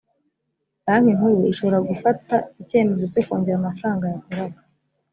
banki nkuru ishobora gufata icyemezo cyo kongera amafaranga yakoraga